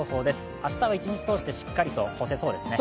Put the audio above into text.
明日は一日通してしっかりと干せそうですね。